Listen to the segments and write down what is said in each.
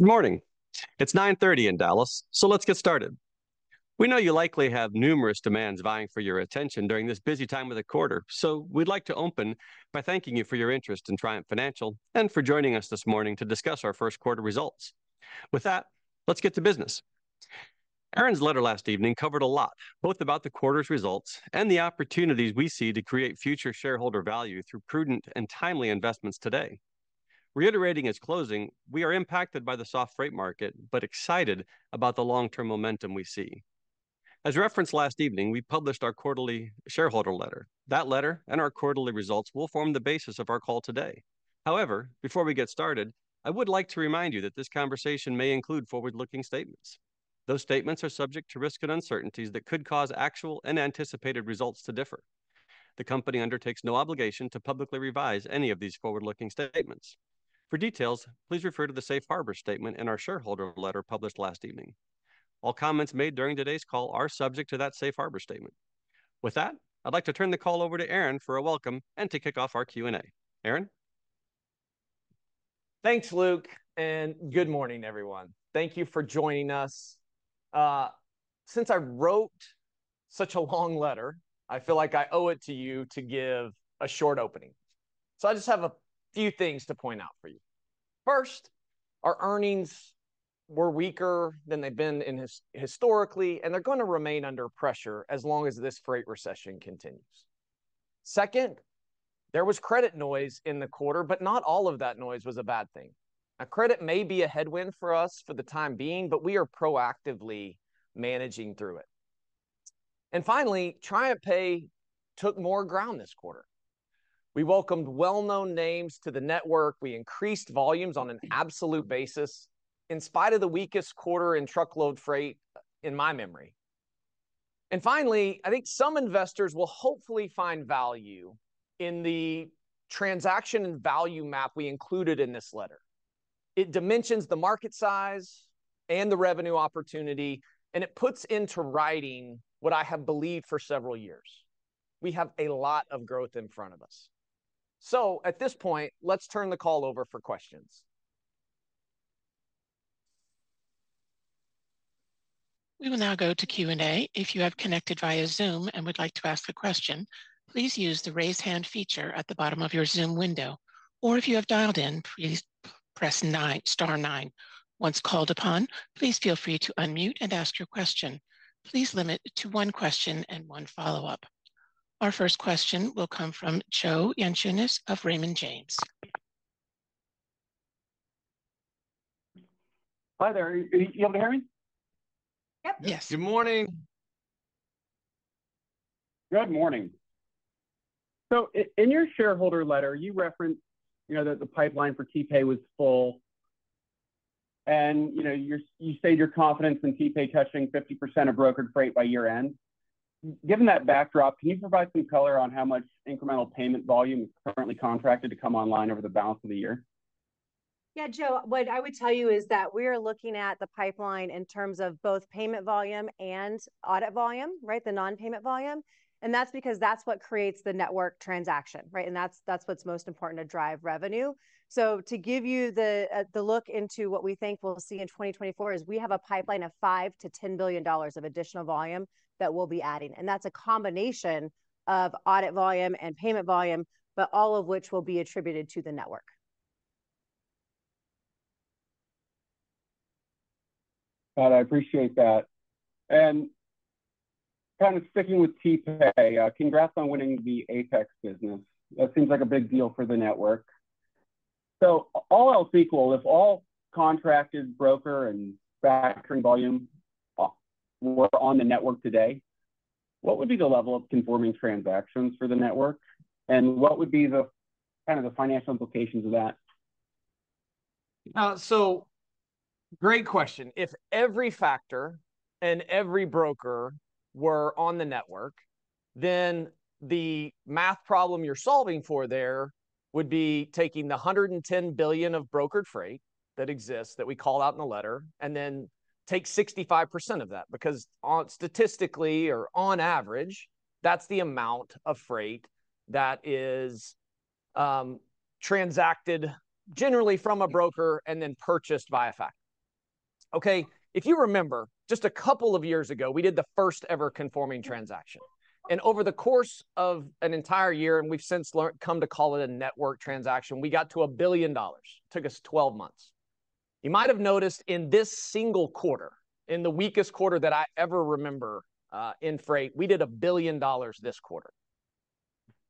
Good morning! It's 9:30 A.M. in Dallas, so let's get started. We know you likely have numerous demands vying for your attention during this busy time of the quarter, so we'd like to open by thanking you for your interest in Triumph Financial and for joining us this morning to discuss our Q1 results. With that, let's get to business. Aaron's letter last evening covered a lot, both about the quarter's results and the opportunities we see to create future shareholder value through prudent and timely investments today. Reiterating his closing, we are impacted by the soft freight market, but excited about the long-term momentum we see. As referenced last evening, we published our quarterly shareholder letter. That letter and our quarterly results will form the basis of our call today. However, before we get started, I would like to remind you that this conversation may include forward-looking statements. Those statements are subject to risk and uncertainties that could cause actual and anticipated results to differ. The company undertakes no obligation to publicly revise any of these forward-looking statements. For details, please refer to the Safe Harbor Statement in our shareholder letter published last evening. All comments made during today's call are subject to that Safe Harbor Statement. With that, I'd like to turn the call over to Aaron for a welcome and to kick off our Q&A. Aaron? Thanks, Luke, and good morning, everyone. Thank you for joining us. Since I wrote such a long letter, I feel like I owe it to you to give a short opening. So I just have a few things to point out for you. First, our earnings were weaker than they've been historically, and they're gonna remain under pressure as long as this freight recession continues. Second, there was credit noise in the quarter, but not all of that noise was a bad thing. Now, credit may be a headwind for us for the time being, but we are proactively managing through it. And finally, TriumphPay took more ground this quarter. We welcomed well-known names to the network. We increased volumes on an absolute basis, in spite of the weakest quarter in truckload freight in my memory. Finally, I think some investors will hopefully find value in the transaction and value map we included in this letter. It dimensions the market size and the revenue opportunity, and it puts into writing what I have believed for several years: We have a lot of growth in front of us. At this point, let's turn the call over for questions. We will now go to Q&A. If you have connected via Zoom and would like to ask a question, please use the Raise Hand feature at the bottom of your Zoom window, or if you have dialed in, please press nine, star nine. Once called upon, please feel free to unmute and ask your question. Please limit it to one question and one follow-up. Our first question will come from Joe Yanchunis of Raymond James. Hi there. Are you able to hear me? Yep. Yes. Good morning. Good morning. So in your shareholder letter, you referenced, you know, that the pipeline for TPay was full, and, you know, you stated your confidence in TPay touching 50% of brokered freight by year-end. Given that backdrop, can you provide some color on how much incremental payment volume is currently contracted to come online over the balance of the year? Yeah, Joe, what I would tell you is that we are looking at the pipeline in terms of both payment volume and audit volume, right? The non-payment volume. And that's because that's what creates the network transaction, right? And that's, that's what's most important to drive revenue. So to give you the look into what we think we'll see in 2024 is we have a pipeline of $5billion-$10 billion of additional volume that we'll be adding, and that's a combination of audit volume and payment volume, but all of which will be attributed to the network. Got it. I appreciate that. And kind of sticking with TPay, congrats on winning the Apex business. That seems like a big deal for the network. So all else equal, if all contracted broker and factoring volume were on the network today, what would be the level of conforming transactions for the network, and what would be the, kind of the financial implications of that? So great question. If every factor and every broker were on the network, then the math problem you're solving for there would be taking the $110 billion of brokered freight that exists, that we called out in the letter, and then take 65% of that, because on, statistically or on average, that's the amount of freight that is, transacted generally from a broker and then purchased by a factor. Okay, if you remember, just a couple of years ago, we did the first-ever conforming transaction. And over the course of an entire year, and we've since learned, come to call it a network transaction, we got to a $1 billion. Took us 12 months. You might have noticed in this single quarter, in the weakest quarter that I ever remember, in freight, we did a $1 billion this quarter.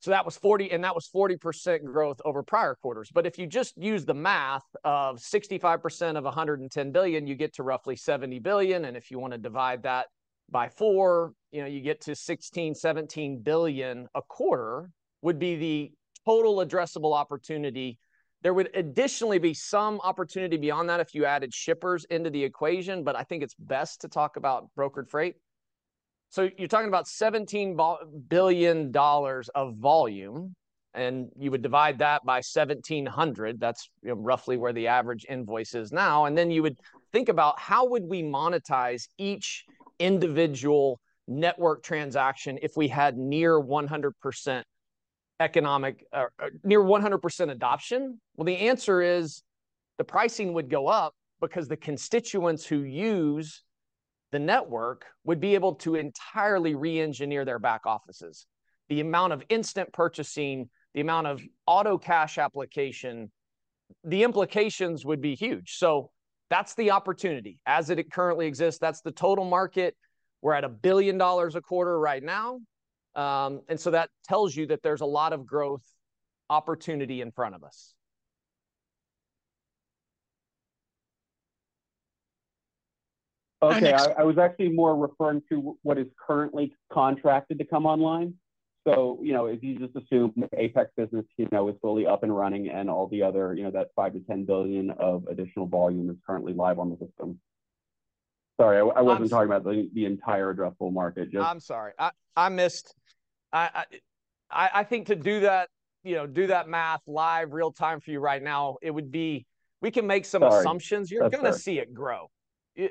That was 40% and that was 40% growth over prior quarters. But if you just use the math of 65% of $110 billion, you get to roughly $70 billion, and if you wanna divide that by 4, you know, you get to $16 billion-$17 billion a quarter, would be the total addressable opportunity. There would additionally be some opportunity beyond that if you added shippers into the equation, but I think it's best to talk about brokered freight. So you're talking about $17 billion of volume, and you would divide that by 1,700, that's, you know, roughly where the average invoice is now, and then you would think about, how would we monetize each individual network transaction if we had near 100% adoption? Well, the answer is the pricing would go up because the constituents who use the network would be able to entirely re-engineer their back offices. The amount of instant purchasing, the amount of auto cash application, the implications would be huge. So that's the opportunity. As it currently exists, that's the total market. We're at $1 billion a quarter right now, and so that tells you that there's a lot of growth opportunity in front of us. Okay, I was actually more referring to what is currently contracted to come online. So, you know, if you just assume the Apex business, you know, is fully up and running, and all the other, you know, that $5 billion-$10 billion of additional volume is currently live on the system. Sorry, I wasn't- I'm-talking about the entire addressable market, just- I'm sorry. I think to do that, you know, do that math live, real-time for you right now, it would be- We can make some assumptions- Sorry. That's all right. You're gonna see it grow.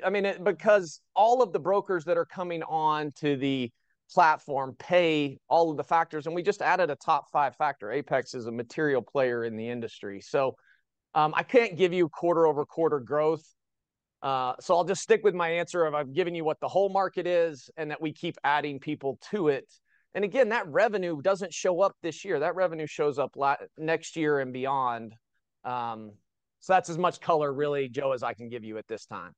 I mean it because all of the brokers that are coming on to the platform pay all of the factors, and we just added a top five factor. Apex is a material player in the industry. So, I can't give you quarter-over-quarter growth, so I'll just stick with my answer of I've given you what the whole market is, and that we keep adding people to it. And again, that revenue doesn't show up this year. That revenue shows up later next year and beyond. So that's as much color really, Joe, as I can give you at this time.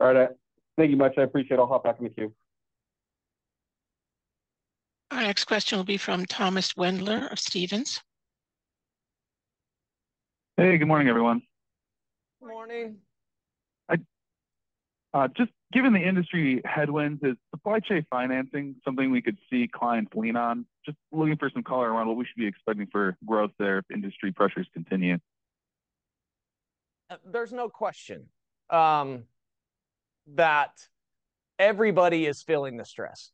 All right. Thank you much. I appreciate it. I'll hop back with you. Our next question will be from Thomas Wendler of Stephens. Hey, good morning, everyone. Morning. Just given the industry headwinds, is supply chain financing something we could see clients lean on? Just looking for some color around what we should be expecting for growth there if industry pressures continue. There's no question that everybody is feeling the stress.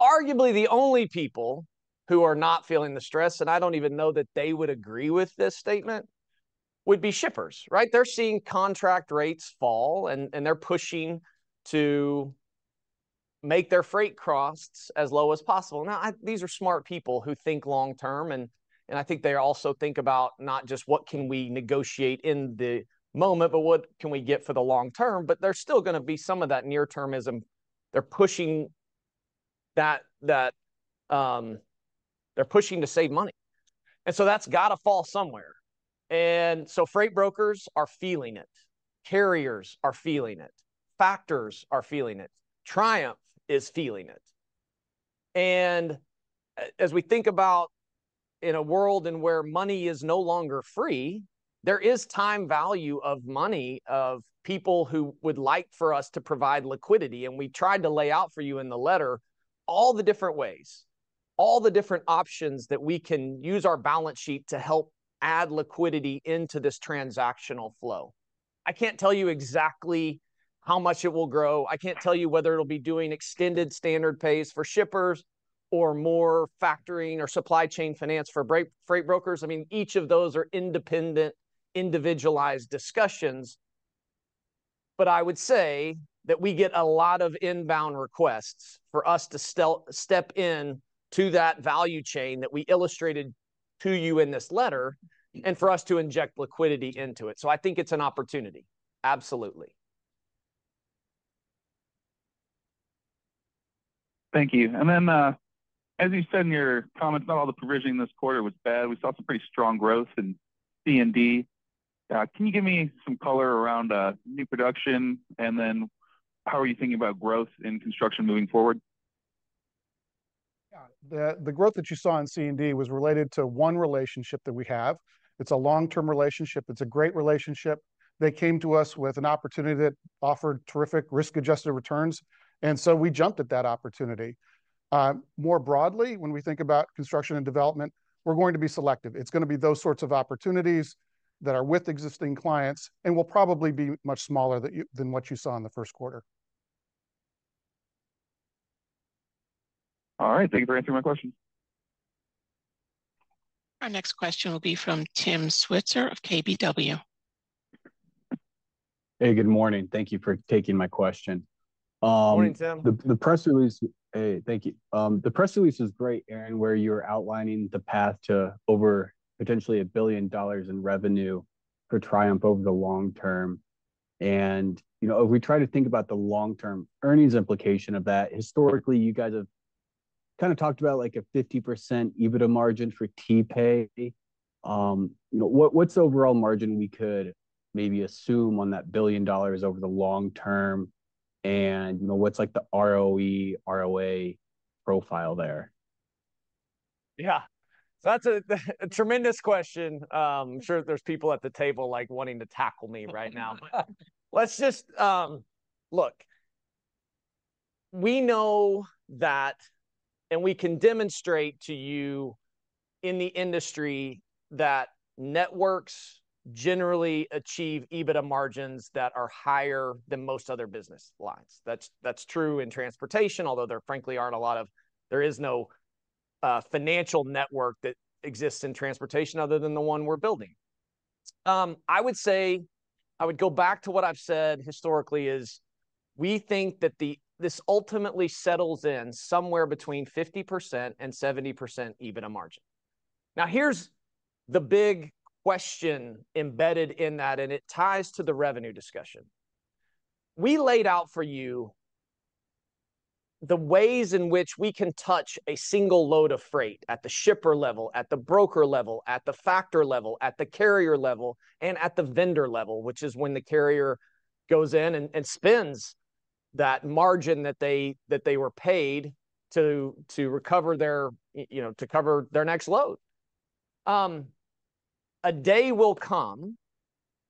Arguably, the only people who are not feeling the stress, and I don't even know that they would agree with this statement, would be shippers, right? They're seeing contract rates fall, and they're pushing to make their freight costs as low as possible. Now, these are smart people who think long term, and I think they also think about not just, "What can we negotiate in the moment?" but, "What can we get for the long term?" But there's still gonna be some of that near-termism. They're pushing to save money, and so that's gotta fall somewhere. And so freight brokers are feeling it. Carriers are feeling it. Factors are feeling it. Triumph is feeling it. As we think about in a world where money is no longer free, there is time value of money of people who would like for us to provide liquidity, and we tried to lay out for you in the letter all the different ways, all the different options that we can use our balance sheet to help add liquidity into this transactional flow. I can't tell you exactly how much it will grow. I can't tell you whether it'll be doing extended standard pays for shippers or more factoring or supply chain finance for freight brokers. I mean, each of those are independent, individualized discussions. But I would say that we get a lot of inbound requests for us to step in to that value chain that we illustrated to you in this letter, and for us to inject liquidity into it. I think it's an opportunity, absolutely. Thank you. And then, as you said in your comments, not all the provisioning this quarter was bad. We saw some pretty strong growth in C&D. Can you give me some color around new production, and then how are you thinking about growth in construction moving forward? Yeah, the growth that you saw in C&D was related to one relationship that we have. It's a long-term relationship. It's a great relationship. They came to us with an opportunity that offered terrific risk-adjusted returns, and so we jumped at that opportunity. More broadly, when we think about construction and development, we're going to be selective. It's gonna be those sorts of opportunities that are with existing clients and will probably be much smaller than what you saw in the Q1. All right. Thank you for answering my question. Our next question will be from Tim Switzer of KBW. Hey, good morning. Thank you for taking my question. Morning, Tim. The press release... Hey, thank you. The press release is great, Aaron, where you're outlining the path to over potentially $1 billion in revenue for Triumph over the long term. You know, if we try to think about the long-term earnings implication of that, historically, you guys have kind of talked about, like, a 50% EBITDA margin for TPay. You know, what, what's the overall margin we could maybe assume on that $1 billion over the long term? And, you know, what's, like, the ROE, ROA profile there? Yeah. That's a tremendous question. I'm sure there's people at the table, like, wanting to tackle me right now. Let's just... Look, we know that, and we can demonstrate to you in the industry, that networks generally achieve EBITDA margins that are higher than most other business lines. That's true in transportation, although there frankly aren't a lot of- there is no financial network that exists in transportation other than the one we're building. I would say, I would go back to what I've said historically, is we think that this ultimately settles in somewhere between 50%-70% EBITDA margin. Now, here's the big question embedded in that, and it ties to the revenue discussion. We laid out for you the ways in which we can touch a single load of freight at the shipper level, at the broker level, at the factor level, at the carrier level, and at the vendor level, which is when the carrier goes in and spends that margin that they were paid to recover their, you know, to cover their next load. A day will come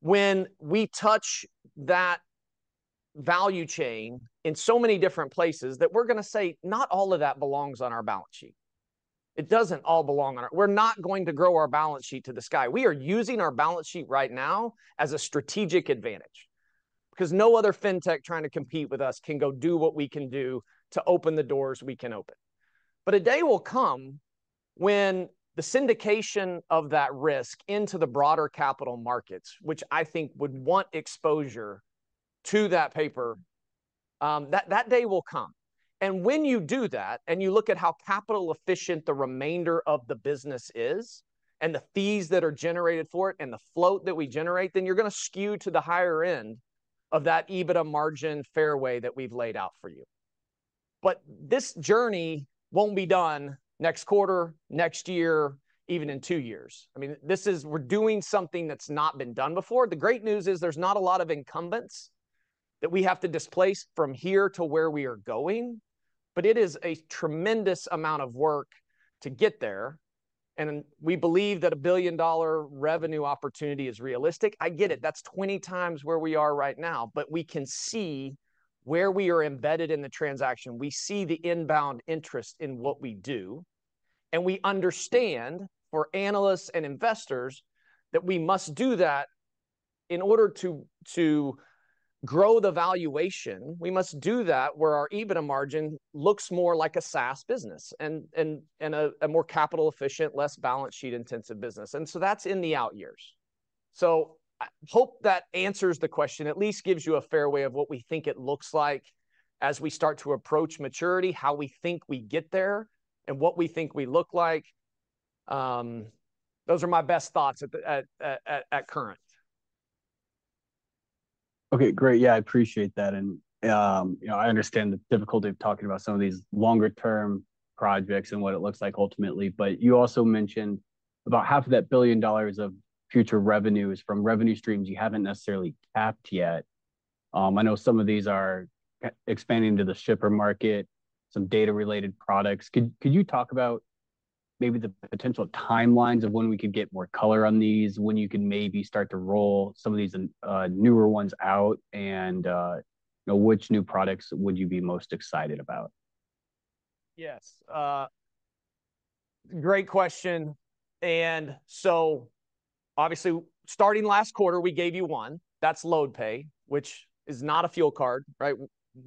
when we touch that value chain in so many different places, that we're gonna say, "Not all of that belongs on our balance sheet." It doesn't all belong on our... We're not going to grow our balance sheet to the sky. We are using our balance sheet right now as a strategic advantage, because no other fintech trying to compete with us can go do what we can do to open the doors we can open. But a day will come when the syndication of that risk into the broader capital markets, which I think would want exposure to that paper, that day will come. And when you do that, and you look at how capital-efficient the remainder of the business is, and the fees that are generated for it, and the float that we generate, then you're gonna skew to the higher end of that EBITDA margin fairway that we've laid out for you. But this journey won't be done next quarter, next year, even in two years. I mean, this is, we're doing something that's not been done before. The great news is, there's not a lot of incumbents that we have to displace from here to where we are going, but it is a tremendous amount of work to get there, and we believe that a billion-dollar revenue opportunity is realistic. I get it, that's 20 times where we are right now, but we can see where we are embedded in the transaction. We see the inbound interest in what we do, and we understand, for analysts and investors, that we must do that in order to grow the valuation. We must do that where our EBITDA margin looks more like a SaaS business, and a more capital-efficient, less balance sheet-intensive business. And so that's in the out years. So I hope that answers the question, at least gives you a fairway of what we think it looks like as we start to approach maturity, how we think we get there, and what we think we look like. Those are my best thoughts at the current. Okay, great. Yeah, I appreciate that, and, you know, I understand the difficulty of talking about some of these longer-term projects and what it looks like ultimately. But you also mentioned about half of that $1 billion of future revenue is from revenue streams you haven't necessarily tapped yet. I know some of these are like expanding to the shipper market, some data-related products. Could you talk about maybe the potential timelines of when we could get more color on these, when you can maybe start to roll some of these newer ones out? And, you know, which new products would you be most excited about? Yes, great question. And so obviously, starting last quarter, we gave you one: that's LoadPay, which is not a fuel card, right?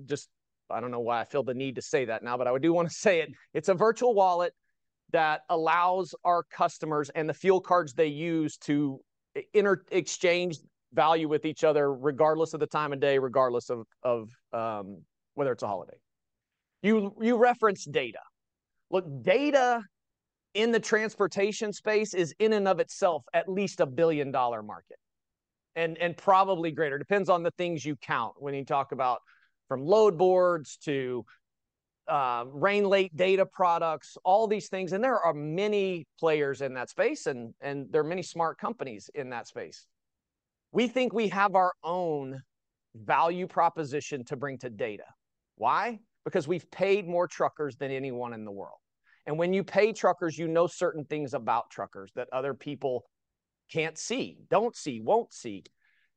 Just, I don't know why I feel the need to say that now, but I do want to say it. It's a virtual wallet that allows our customers and the fuel cards they use to interchange value with each other, regardless of the time of day, regardless of whether it's a holiday. You referenced data. Look, data in the transportation space is in and of itself at least a billion-dollar market, and probably greater. Depends on the things you count, when you talk about from load boards to real-time data products, all these things, and there are many players in that space, and there are many smart companies in that space. We think we have our own value proposition to bring to data. Why? Because we've paid more truckers than anyone in the world, and when you pay truckers, you know certain things about truckers that other people can't see, don't see, won't see.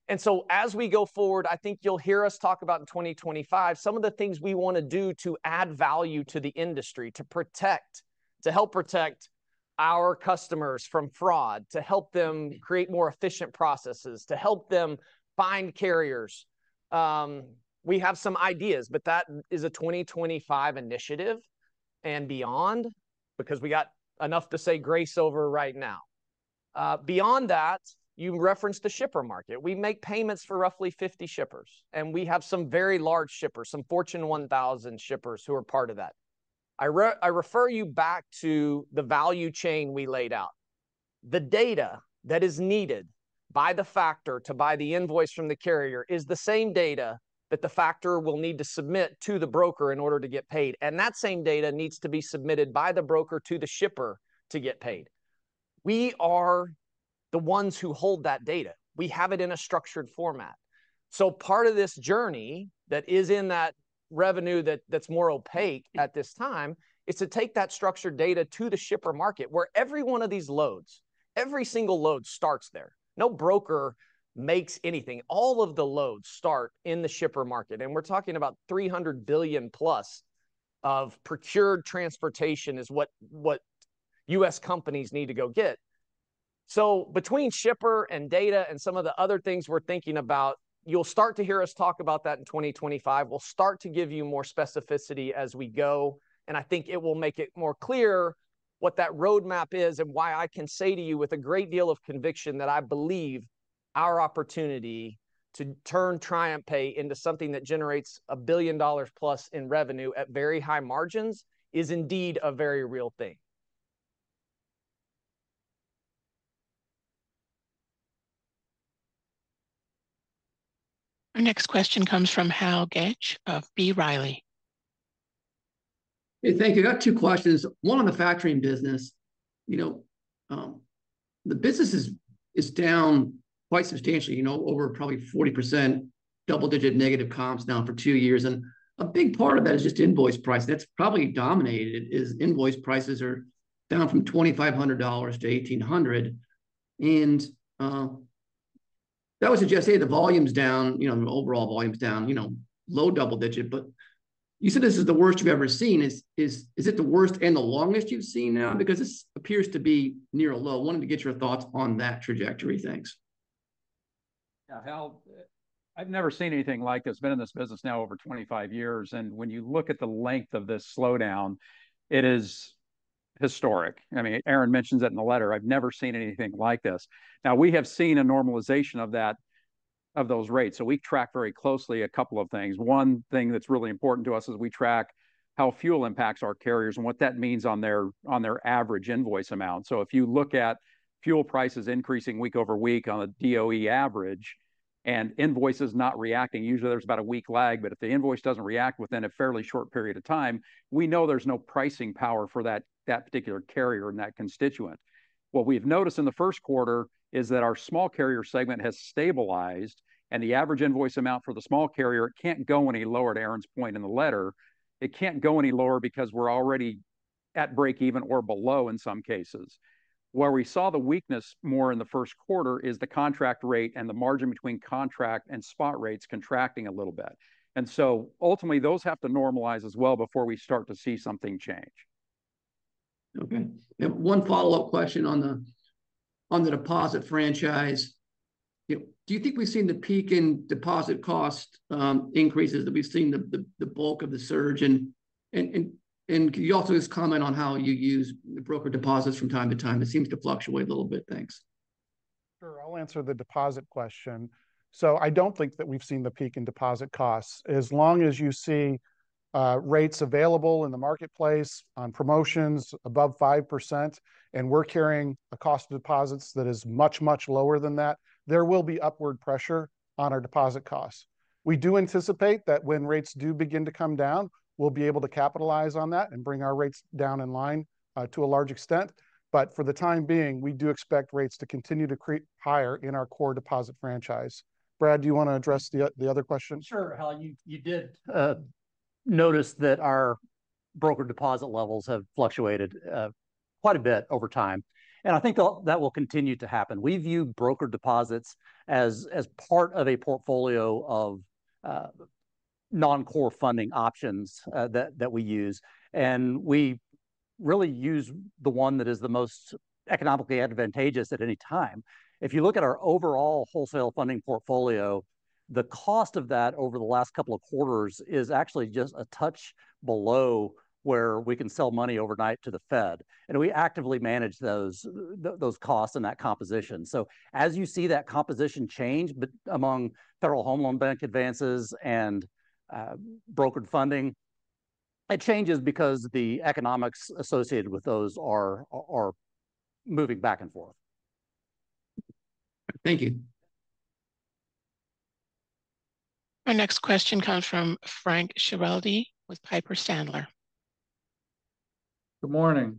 And so as we go forward, I think you'll hear us talk about, in 2025, some of the things we want to do to add value to the industry, to protect- to help protect our customers from fraud, to help them create more efficient processes, to help them find carriers. We have some ideas, but that is a 2025 initiative and beyond, because we got enough to say grace over right now. Beyond that, you referenced the shipper market. We make payments for roughly 50 shippers, and we have some very large shippers, some Fortune 1000 shippers, who are part of that. I refer you back to the value chain we laid out. The data that is needed by the factor to buy the invoice from the carrier is the same data that the factor will need to submit to the broker in order to get paid, and that same data needs to be submitted by the broker to the shipper to get paid. We are the ones who hold that data. We have it in a structured format. So part of this journey, that is in that revenue that, that's more opaque at this time, is to take that structured data to the shipper market, where every one of these loads, every single load starts there. No broker makes anything. All of the loads start in the shipper market, and we're talking about $300 billion+ of procured transportation is what U.S. companies need to go get. So between shipper and data and some of the other things we're thinking about, you'll start to hear us talk about that in 2025. We'll start to give you more specificity as we go, and I think it will make it more clear what that roadmap is and why I can say to you with a great deal of conviction that I believe- Our opportunity to turn TriumphPay into something that generates $1 billion plus in revenue at very high margins is indeed a very real thing. Our next question comes from Hal Goetsch of B. Riley. Hey, thank you. I got two questions. One on the factoring business. You know, the business is down quite substantially, you know, over probably 40%, double-digit negative comps now for two years, and a big part of that is just invoice price. That's probably dominated it, is invoice prices are down from $2,500-$1,800. And that would suggest, hey, the volume's down, you know, the overall volume's down, you know, low double digit, but you said this is the worst you've ever seen. Is it the worst and the longest you've ever seen now? Because this appears to be near a low. Wanted to get your thoughts on that trajectory. Thanks. Yeah, Hal, I've never seen anything like this. Been in this business now over 25 years, and when you look at the length of this slowdown, it is historic. I mean, Aaron mentions it in the letter, "I've never seen anything like this." Now, we have seen a normalization of that, of those rates, so we track very closely a couple of things. One thing that's really important to us is we track how fuel impacts our carriers and what that means on their, on their average invoice amount. So if you look at fuel prices increasing week over week on a DOE Average, and invoices not reacting, usually there's about a week lag, but if the invoice doesn't react within a fairly short period of time, we know there's no pricing power for that, that particular carrier and that constituent. What we've noticed in the Q1 is that our small carrier segment has stabilized, and the average invoice amount for the small carrier can't go any lower, to Aaron's point in the letter. It can't go any lower because we're already at break even or below in some cases. Where we saw the weakness more in the Q1 is the contract rate and the margin between contract and spot rates contracting a little bit. And so ultimately, those have to normalize as well before we start to see something change. Okay. And one follow-up question on the deposit franchise. Do you think we've seen the peak in deposit cost increases? Have we seen the bulk of the surge? And could you also just comment on how you use broker deposits from time to time? It seems to fluctuate a little bit. Thanks. Sure, I'll answer the deposit question. So I don't think that we've seen the peak in deposit costs. As long as you see rates available in the marketplace on promotions above 5%, and we're carrying a cost of deposits that is much, much lower than that, there will be upward pressure on our deposit costs. We do anticipate that when rates do begin to come down, we'll be able to capitalize on that and bring our rates down in line to a large extent. But for the time being, we do expect rates to continue to creep higher in our core deposit franchise. Brad, do you want to address the other question? Sure, Hal. You, you did notice that our broker deposit levels have fluctuated quite a bit over time, and I think that will continue to happen. We view broker deposits as, as part of a portfolio of non-core funding options that, that we use, and we really use the one that is the most economically advantageous at any time. If you look at our overall wholesale funding portfolio, the cost of that over the last couple of quarters is actually just a touch below where we can sell money overnight to the Fed, and we actively manage those, those costs and that composition. So as you see that composition change among Federal Home Loan Bank advances and brokered funding, it changes because the economics associated with those are, are moving back and forth. Thank you. Our next question comes from Frank Schiraldi with Piper Sandler. Good morning.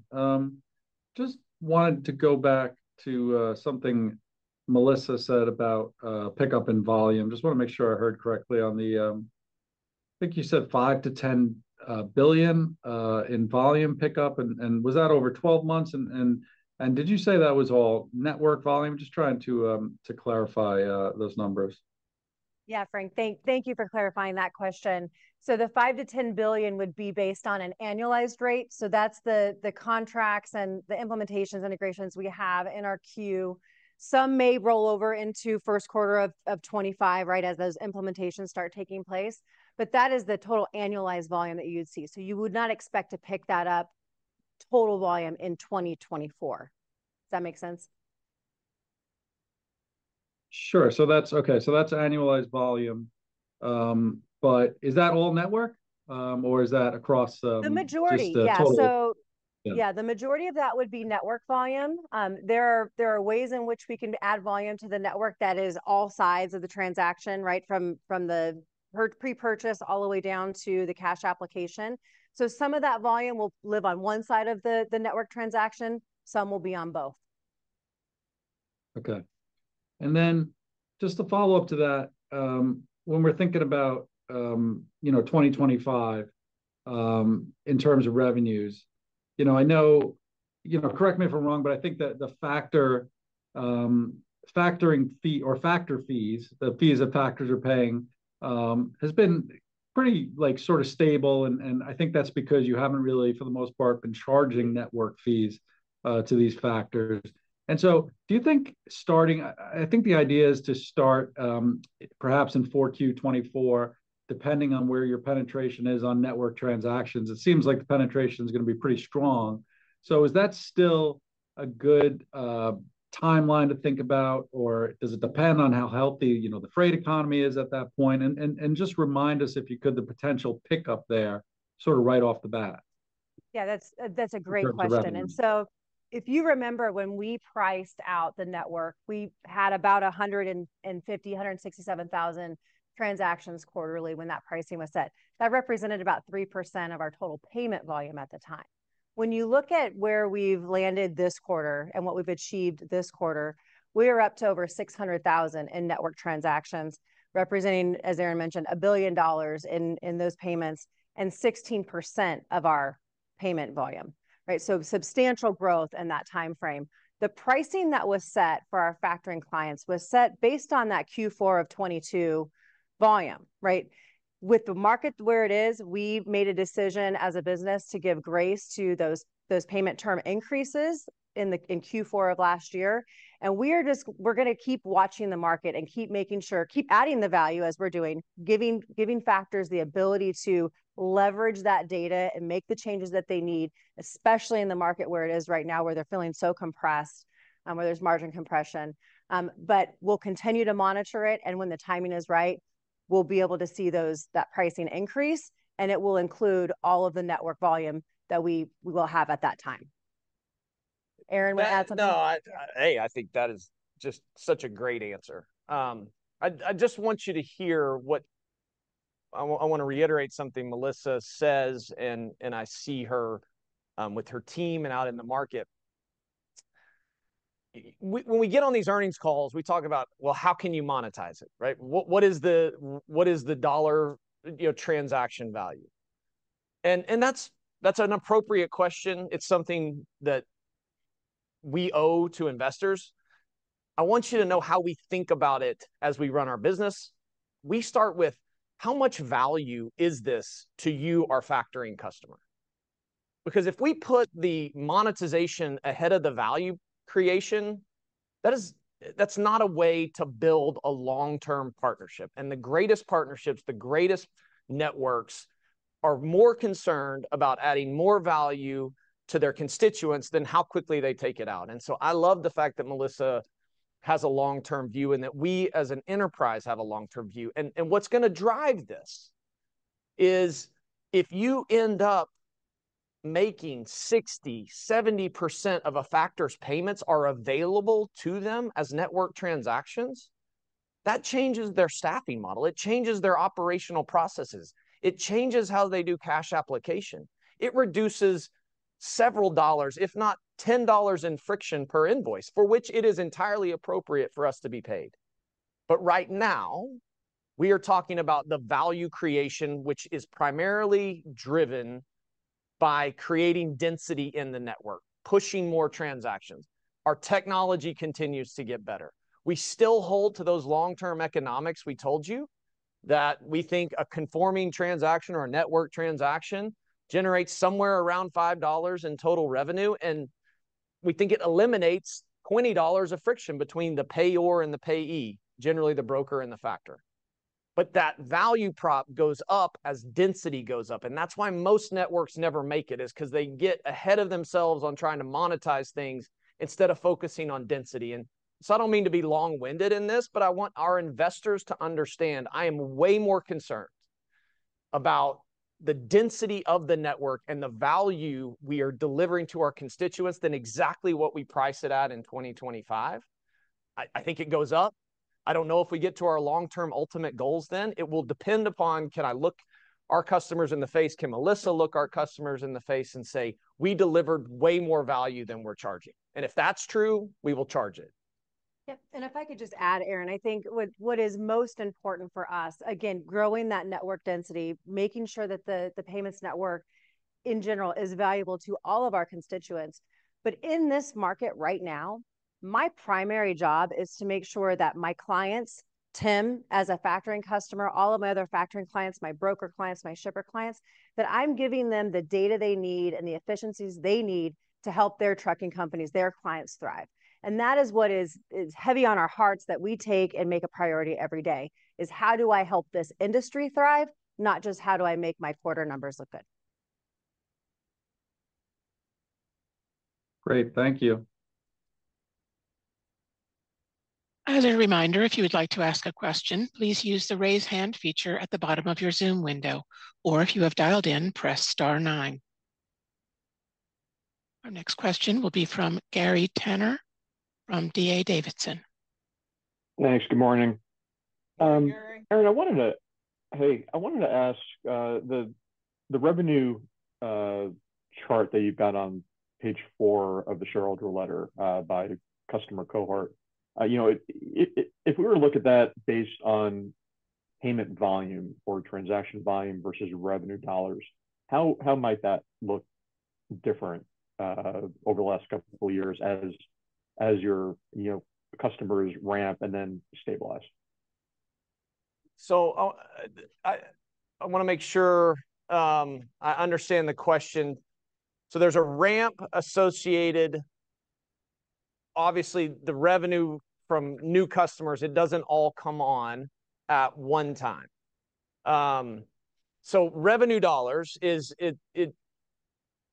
Just wanted to go back to something Melissa said about pickup in volume. Just want to make sure I heard correctly on the... I think you said $5 billion-$10 billion in volume pickup, and did you say that was over 12 months? And did you say that was all network volume? Just trying to clarify those numbers. Yeah, Frank, thank you for clarifying that question. So the $5 billion-$10 billion would be based on an annualized rate, so that's the contracts and the implementations, integrations we have in our queue. Some may roll over into Q1 of 2025, right, as those implementations start taking place, but that is the total annualized volume that you'd see. So you would not expect to pick that up total volume in 2024. Does that make sense? Sure. So that's okay, so that's annualized volume. But is that all network, or is that across? The majority... just the total? Yeah, so- Yeah Yeah, the majority of that would be network volume. There are ways in which we can add volume to the network that is all sides of the transaction, right from the pre-purchase all the way down to the cash application. So some of that volume will live on one side of the network transaction, some will be on both. Okay. And then just to follow up to that, when we're thinking about, you know, 2025, in terms of revenues, you know, I know-- You know, correct me if I'm wrong, but I think that the factor, factoring fee or factor fees, the fees that factors are paying, has been pretty, like, sort of stable, and, and I think that's because you haven't really, for the most part, been charging network fees, to these factors. And so do you think starting-- I, I think the idea is to start, perhaps in 4Q 2024, depending on where your penetration is on network transactions. It seems like the penetration's gonna be pretty strong. So is that still a good timeline to think about, or does it depend on how healthy, you know, the freight economy is at that point? Just remind us, if you could, the potential pickup there sort of right off the bat. Yeah, that's a great question. In terms of revenue. And so if you remember, when we priced out the network, we had about 150,000, 167,000 transactions quarterly when that pricing was set. That represented about 3% of our total payment volume at the time. When you look at where we've landed this quarter and what we've achieved this quarter, we are up to over 600,000 in network transactions, representing, as Aaron mentioned, $1 billion in those payments, and 16% of our payment volume, right? So substantial growth in that timeframe. The pricing that was set for our factoring clients was set based on that Q4 of 2022 volume, right? With the market where it is, we've made a decision as a business to give grace to those payment term increases in Q4 of last year. And we are just... We're gonna keep watching the market and keep making sure- keep adding the value as we're doing, giving, giving factors the ability to leverage that data and make the changes that they need, especially in the market where it is right now, where they're feeling so compressed, where there's margin compression. But we'll continue to monitor it, and when the timing is right, we'll be able to see those- that pricing increase, and it will include all of the network volume that we, we will have at that time. Aaron, want to add something? Hey, I think that is just such a great answer. I just want you to hear what I want to reiterate something Melissa says, and I see her with her team and out in the market. When we get on these earnings calls, we talk about, well, how can you monetize it, right? What is the dollar, you know, transaction value? And that's an appropriate question. It's something that we owe to investors. I want you to know how we think about it as we run our business. We start with, how much value is this to you, our factoring customer? Because if we put the monetization ahead of the value creation, that's not a way to build a long-term partnership. And the greatest partnerships, the greatest networks, are more concerned about adding more value to their constituents than how quickly they take it out. And so I love the fact that Melissa has a long-term view, and that we as an enterprise have a long-term view. And, and what's gonna drive this is if you end up making 60%-70% of a factor's payments are available to them as network transactions, that changes their staffing model. It changes their operational processes. It changes how they do cash application. It reduces several dollars, if not $10 in friction per invoice, for which it is entirely appropriate for us to be paid. But right now, we are talking about the value creation, which is primarily driven by creating density in the network, pushing more transactions. Our technology continues to get better. We still hold to those long-term economics we told you, that we think a conforming transaction or a network transaction generates somewhere around $5 in total revenue, and we think it eliminates $20 of friction between the payor and the payee, generally the broker and the factor. But that value prop goes up as density goes up, and that's why most networks never make it, is 'cause they get ahead of themselves on trying to monetize things instead of focusing on density. And so I don't mean to be long-winded in this, but I want our investors to understand, I am way more concerned about the density of the network and the value we are delivering to our constituents than exactly what we price it at in 2025. I, I think it goes up. I don't know if we get to our long-term ultimate goals then. It will depend upon, can I look our customers in the face, can Melissa look our customers in the face and say, "We delivered way more value than we're charging"? And if that's true, we will charge it. Yep, and if I could just add, Aaron, I think what is most important for us, again, growing that network density, making sure that the payments network in general is valuable to all of our constituents. But in this market right now, my primary job is to make sure that my clients, Tim, as a factoring customer, all of my other factoring clients, my broker clients, my shipper clients, that I'm giving them the data they need and the efficiencies they need to help their trucking companies, their clients, thrive. And that is what is heavy on our hearts, that we take and make a priority every day, is: How do I help this industry thrive, not just how do I make my quarter numbers look good? Great. Thank you. As a reminder, if you would like to ask a question, please use the Raise Hand feature at the bottom of your Zoom window, or if you have dialed in, press star nine. Our next question will be from Gary Tenner from D.A. Davidson. Thanks. Good morning. Hi, Gary. Aaron, hey, I wanted to ask the revenue chart that you've got on page four of the shareholder letter by customer cohort, you know, it if we were to look at that based on payment volume or transaction volume versus revenue dollars, how might that look different over the last couple years as your, you know, customers ramp and then stabilize? So, I wanna make sure I understand the question. So there's a ramp. Obviously, the revenue from new customers, it doesn't all come on at one time. So revenue dollars,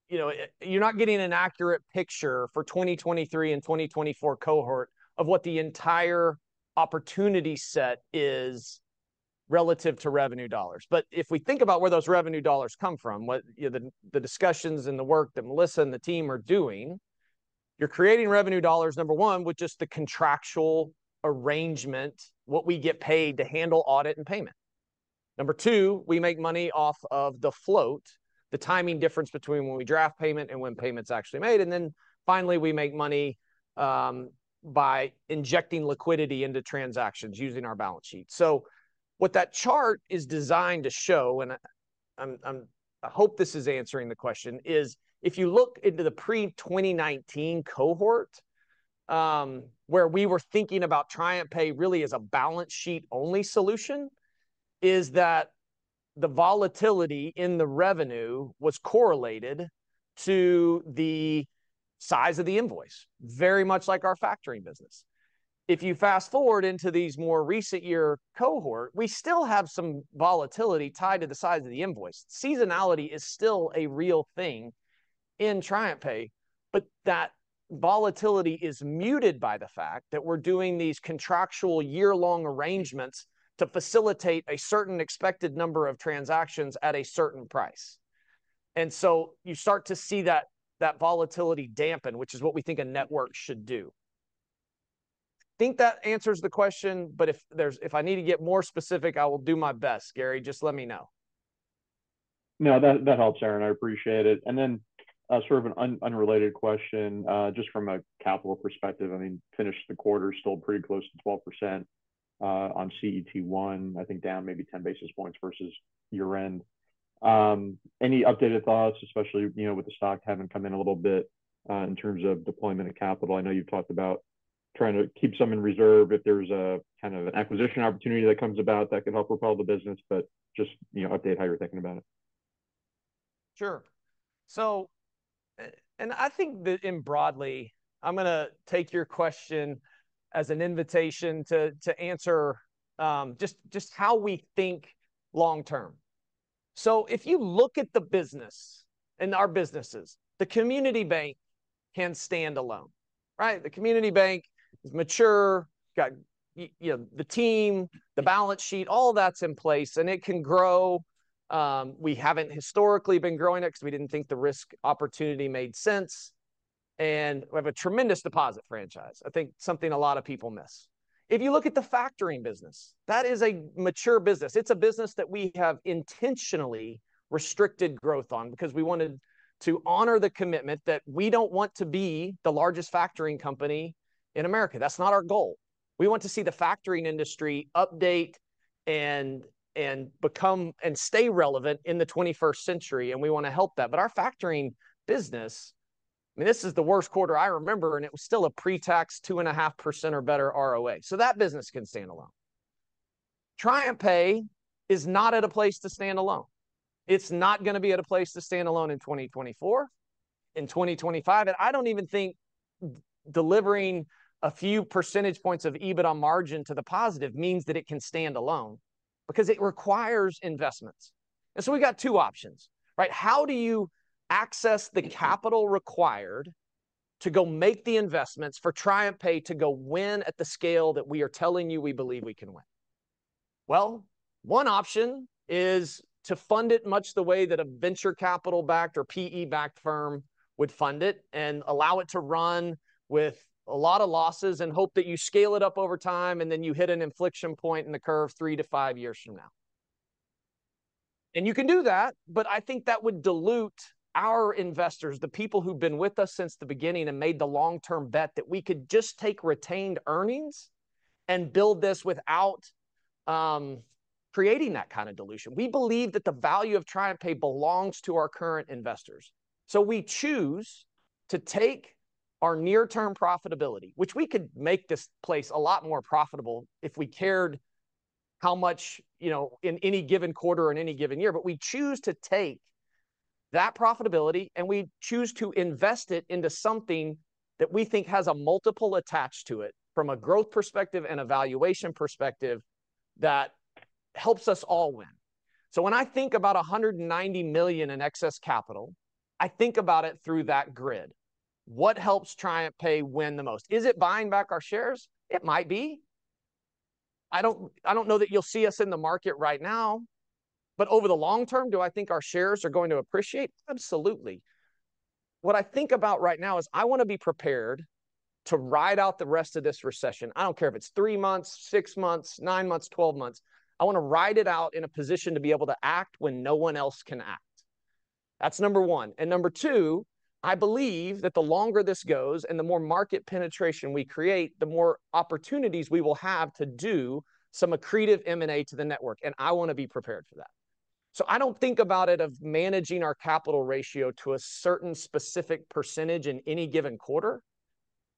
you know, you're not getting an accurate picture for 2023 and 2024 cohort of what the entire opportunity set is relative to revenue dollars. But if we think about where those revenue dollars come from, you know, the discussions and the work that Melissa and the team are doing, you're creating revenue dollars, number one, with just the contractual arrangement, what we get paid to handle audit and payment. Number two, we make money off of the float, the timing difference between when we draft payment and when payment's actually made. And then finally, we make money by injecting liquidity into transactions using our balance sheet. So what that chart is designed to show, and I hope this is answering the question, is if you look into the pre-2019 cohort, where we were thinking about TriumphPay really as a balance sheet-only solution, is that the volatility in the revenue was correlated to the size of the invoice, very much like our factoring business. If you fast-forward into these more recent year cohort, we still have some volatility tied to the size of the invoice. Seasonality is still a real thing in TriumphPay, but that volatility is muted by the fact that we're doing these contractual year-long arrangements to facilitate a certain expected number of transactions at a certain price. And so you start to see that volatility dampen, which is what we think a network should do. I think that answers the question, but if I need to get more specific, I will do my best, Gary. Just let me know. No, that, that helps, Aaron, I appreciate it. And then, sort of an unrelated question, just from a capital perspective. I mean, finished the quarter still pretty close to 12%, on CET1, I think down maybe 10 basis points versus year-end. Any updated thoughts, especially, you know, with the stock having come in a little bit, in terms of deployment of capital? I know you've talked about trying to keep some in reserve if there's a kind of an acquisition opportunity that comes about that can help propel the business, but just, you know, update how you're thinking about it. Sure. So, and I think that, and broadly, I'm gonna take your question as an invitation to answer, just how we think long term. So if you look at the business and our businesses, the community bank can stand alone, right? The community bank is mature, got, you know, the team, the balance sheet, all that's in place, and it can grow. We haven't historically been growing it 'cause we didn't think the risk opportunity made sense, and we have a tremendous deposit franchise. I think something a lot of people miss. If you look at the factoring business, that is a mature business. It's a business that we have intentionally restricted growth on because we wanted to honor the commitment that we don't want to be the largest factoring company in America. That's not our goal. We want to see the factoring industry update and become and stay relevant in the twenty-first century, and we wanna help that. But our factoring business, I mean, this is the worst quarter I remember, and it was still a pre-tax 2.5% or better ROA. So that business can stand alone. TriumphPay is not at a place to stand alone. It's not gonna be at a place to stand alone in 2024, in 2025, and I don't even think delivering a few percentage points of EBITDA margin to the positive means that it can stand alone, because it requires investments. And so we've got two options, right? How do you access the capital required to go make the investments for TriumphPay to go win at the scale that we are telling you we believe we can win? Well, one option is to fund it much the way that a venture capital-backed or PE-backed firm would fund it, and allow it to run with a lot of losses, and hope that you scale it up over time, and then you hit an inflection point in the curve 3-5 years from now. You can do that, but I think that would dilute our investors, the people who've been with us since the beginning and made the long-term bet, that we could just take retained earnings and build this without creating that kind of dilution. We believe that the value of TriumphPay belongs to our current investors. We choose to take our near-term profitability, which we could make this place a lot more profitable if we cared how much, you know, in any given quarter or in any given year. But we choose to take that profitability, and we choose to invest it into something that we think has a multiple attached to it from a growth perspective and a valuation perspective that helps us all win. So when I think about $190 million in excess capital, I think about it through that grid. What helps TriumphPay win the most? Is it buying back our shares? It might be. I don't, I don't know that you'll see us in the market right now, but over the long term, do I think our shares are going to appreciate? Absolutely. What I think about right now is I wanna be prepared to ride out the rest of this recession. I don't care if it's 3 months, 6 months, 9 months, 12 months, I wanna ride it out in a position to be able to act when no one else can act. That's number one. And number two, I believe that the longer this goes and the more market penetration we create, the more opportunities we will have to do some accretive M&A to the network, and I wanna be prepared for that. So I don't think about it of managing our capital ratio to a certain specific percentage in any given quarter.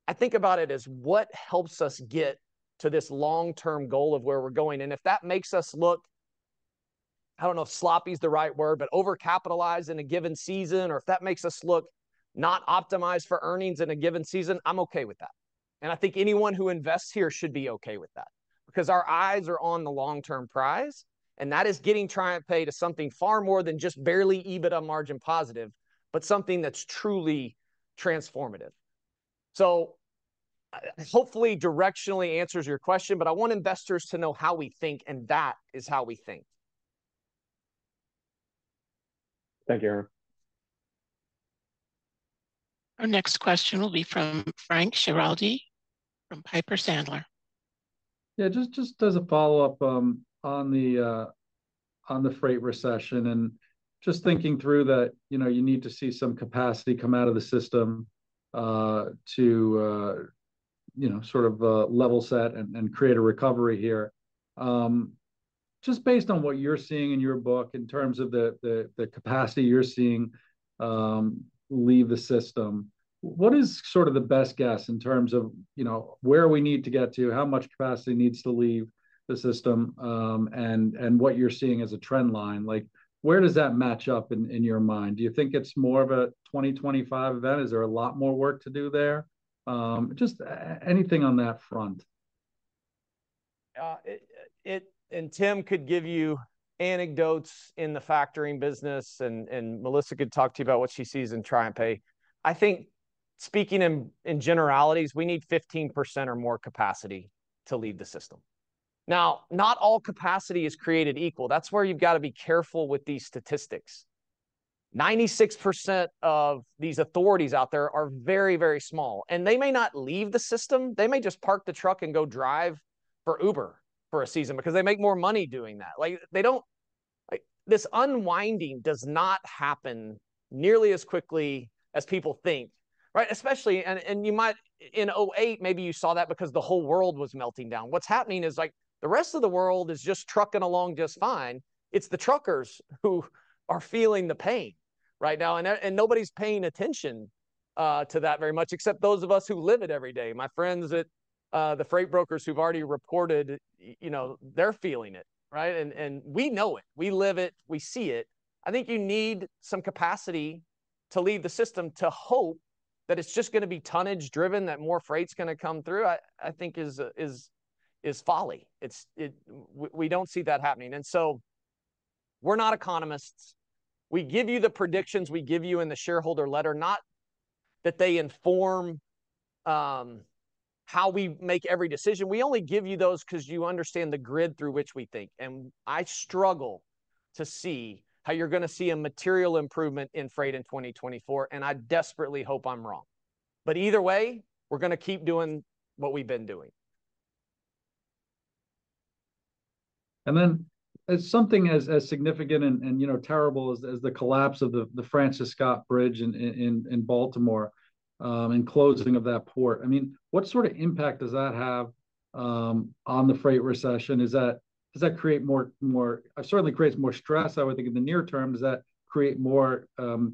I think about it as what helps us get to this long-term goal of where we're going, and if that makes us look... I don't know if sloppy is the right word, but over-capitalized in a given season, or if that makes us look not optimized for earnings in a given season, I'm okay with that. I think anyone who invests here should be okay with that, because our eyes are on the long-term prize, and that is getting TriumphPay to something far more than just barely EBITDA margin positive, but something that's truly transformative. So, hopefully directionally answers your question, but I want investors to know how we think, and that is how we think. Thank you. Our next question will be from Frank Schiraldi, from Piper Sandler. Yeah, just as a follow-up on the freight recession, and just thinking through that, you know, you need to see some capacity come out of the system to you know, sort of level set and create a recovery here. Just based on what you're seeing in your book in terms of the capacity you're seeing leave the system, what is sort of the best guess in terms of, you know, where we need to get to, how much capacity needs to leave the system, and what you're seeing as a trend line? Like, where does that match up in your mind? Do you think it's more of a 2025 event? Is there a lot more work to do there? Just anything on that front. And Tim could give you anecdotes in the factoring business, and Melissa could talk to you about what she sees in TriumphPay. I think speaking in generalities, we need 15% or more capacity to leave the system. Now, not all capacity is created equal. That's where you've got to be careful with these statistics. 96% of these authorities out there are very, very small, and they may not leave the system, they may just park the truck and go drive for Uber for a season, because they make more money doing that. Like, they don't. Like, this unwinding does not happen nearly as quickly as people think, right? Especially. And you might in 2008, maybe you saw that because the whole world was melting down. What's happening is, like, the rest of the world is just trucking along just fine. It's the truckers who are feeling the pain right now, and nobody's paying attention to that very much, except those of us who live it every day. My friends at the freight brokers who've already reported, you know, they're feeling it, right? And we know it. We live it, we see it. I think you need some capacity to leave the system to hope that it's just gonna be tonnage-driven, that more freight's gonna come through. I think is folly. We don't see that happening. And so we're not economists. We give you the predictions we give you in the shareholder letter, not that they inform how we make every decision. We only give you those 'cause you understand the grid through which we think, and I struggle to see how you're gonna see a material improvement in freight in 2024, and I desperately hope I'm wrong. But either way, we're gonna keep doing what we've been doing. And then, as something as significant and, you know, terrible as the collapse of the Francis Scott Key Bridge in Baltimore and closing of that port, I mean, what sort of impact does that have on the freight recession? Is that - does that create more? It certainly creates more stress, I would think, in the near term. Does that create more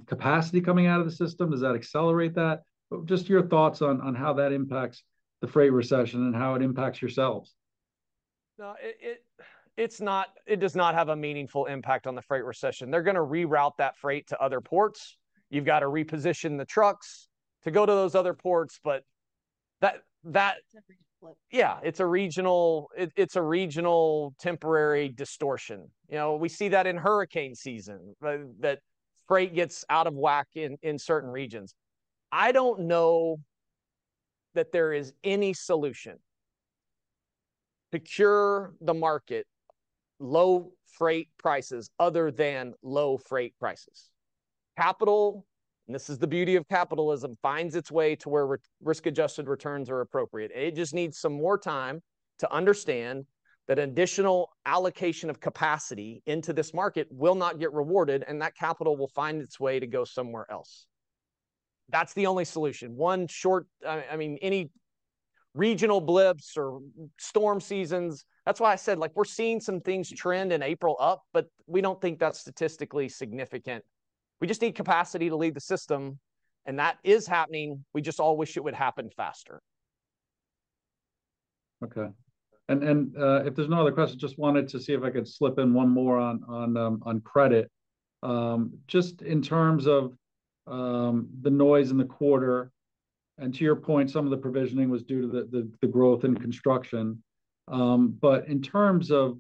capacity coming out of the system? Does that accelerate that? Just your thoughts on how that impacts the freight recession and how it impacts yourselves. No, it does not have a meaningful impact on the freight recession. They're gonna reroute that freight to other ports. You've got to reposition the trucks to go to those other ports, but that, that- Temporary blip. Yeah, it's a regional temporary distortion. You know, we see that in hurricane season, that freight gets out of whack in certain regions. I don't know that there is any solution to cure the market, low freight prices other than low freight prices. Capital, and this is the beauty of capitalism, finds its way to where risk-adjusted returns are appropriate. It just needs some more time to understand that additional allocation of capacity into this market will not get rewarded, and that capital will find its way to go somewhere else. That's the only solution. I mean, any regional blips or storm seasons... That's why I said, like, we're seeing some things trend in April up, but we don't think that's statistically significant. We just need capacity to leave the system, and that is happening. We just all wish it would happen faster. Okay. If there's no other questions, just wanted to see if I could slip in one more on credit. Just in terms of the noise in the quarter, and to your point, some of the provisioning was due to the growth in construction. But in terms of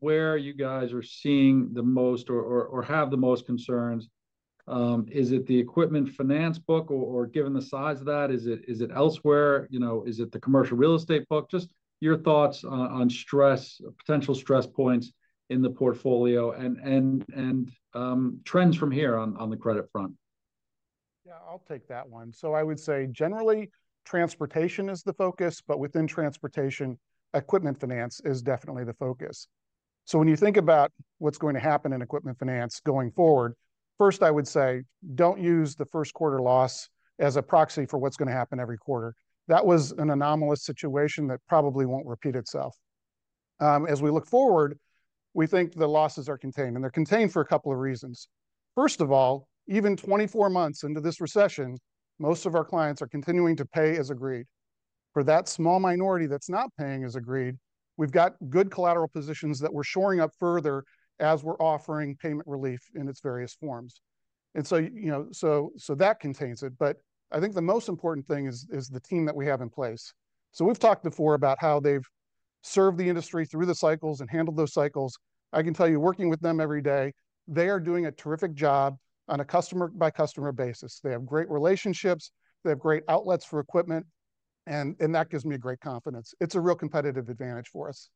where you guys are seeing the most or have the most concerns, is it the equipment finance book, or given the size of that, is it elsewhere? You know, is it the commercial real estate book? Just your thoughts on stress, potential stress points in the portfolio, and trends from here on the credit front. Yeah, I'll take that one. So I would say, generally, transportation is the focus, but within transportation, equipment finance is definitely the focus. So when you think about what's going to happen in equipment finance going forward, first, I would say, don't use the Q1 loss as a proxy for what's gonna happen every quarter. That was an anomalous situation that probably won't repeat itself. As we look forward, we think the losses are contained, and they're contained for a couple of reasons. First of all, even 24 months into this recession, most of our clients are continuing to pay as agreed... for that small minority that's not paying as agreed, we've got good collateral positions that we're shoring up further as we're offering payment relief in its various forms. And so, you know, so that contains it, but I think the most important thing is the team that we have in place. So we've talked before about how they've served the industry through the cycles and handled those cycles. I can tell you, working with them every day, they are doing a terrific job on a customer-by-customer basis. They have great relationships, they have great outlets for equipment, and that gives me great confidence. It's a real competitive advantage for us.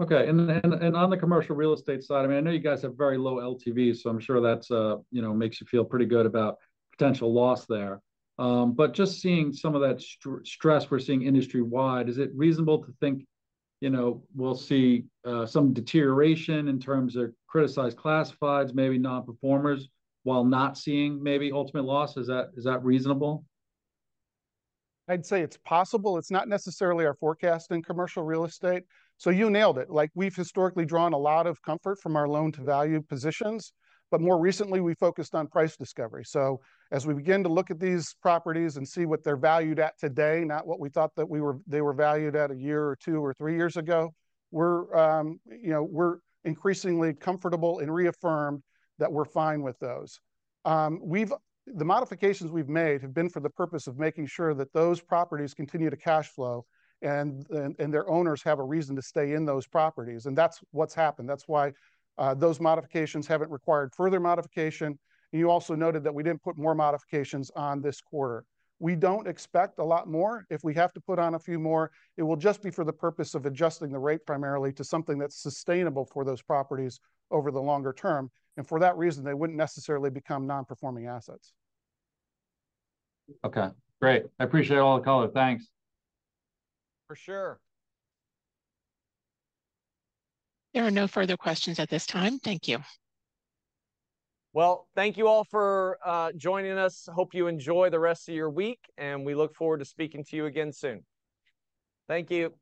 Okay, on the commercial real estate side, I mean, I know you guys have very low LTVs, so I'm sure that's, you know, makes you feel pretty good about potential loss there. But just seeing some of that stress we're seeing industry-wide, is it reasonable to think, you know, we'll see some deterioration in terms of criticized classifieds, maybe non-performers, while not seeing maybe ultimate loss? Is that, is that reasonable? I'd say it's possible. It's not necessarily our forecast in commercial real estate. You nailed it. Like, we've historically drawn a lot of comfort from our loan-to-value positions, but more recently we focused on price discovery. As we begin to look at these properties and see what they're valued at today, not what we thought that they were valued at a year or two or three years ago, we're, you know, we're increasingly comfortable and reaffirmed that we're fine with those. The modifications we've made have been for the purpose of making sure that those properties continue to cash flow and their owners have a reason to stay in those properties, and that's what's happened. That's why, those modifications haven't required further modification. You also noted that we didn't put more modifications on this quarter. We don't expect a lot more. If we have to put on a few more, it will just be for the purpose of adjusting the rate primarily to something that's sustainable for those properties over the longer term, and for that reason, they wouldn't necessarily become non-performing assets. Okay, great. I appreciate all the color. Thanks. For sure. There are no further questions at this time. Thank you. Well, thank you all for joining us. Hope you enjoy the rest of your week, and we look forward to speaking to you again soon. Thank you.